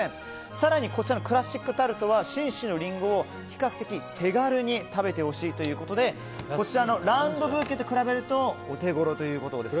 更に、クラシックタルトは信州のリンゴを比較的手軽に食べてほしいということでこちらのラウンドブーケと比べるとお手ごろということです。